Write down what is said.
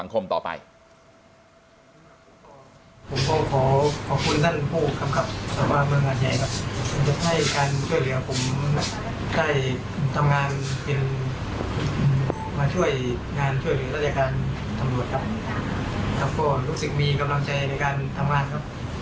ก็รู้สึกมีกำลังใจในการทำงานครับ